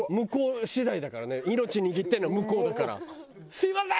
「すみません！